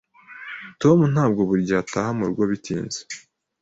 Tom ntabwo buri gihe ataha murugo bitinze.